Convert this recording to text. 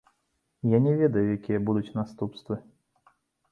Я не ведаю, якія будуць наступствы.